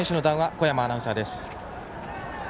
小山アナウンサーです。